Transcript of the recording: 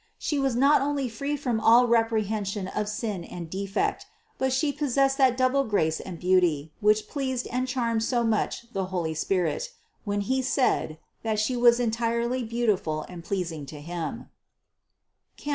She was not only free from all reprehension of sin and defect, but She possessed that double grace and beauty, which pleased and charmed so much the holy Spirit, when He said, that She was entirely beautiful and pleasing to Him (Cant.